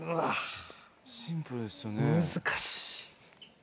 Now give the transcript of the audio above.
難しい。